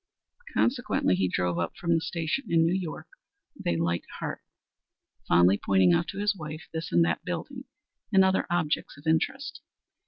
Consequently he drove up from the station in New York with a light heart, fondly pointing out to his wife this and that building and other objects of interest.